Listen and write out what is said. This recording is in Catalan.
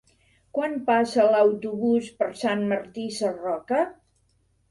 Quan passa l'autobús per Sant Martí Sarroca?